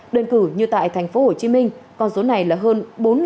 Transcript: đơn cử như tại tp hcm con số này là hơn bốn hai trăm linh